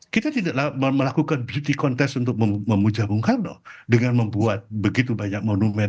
kita tidak melakukan beauty contest untuk memuja bung karno dengan membuat begitu banyak monumen